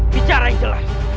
bicara yang jelas